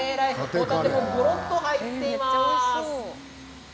ホタテの貝柱がごろっと入っています。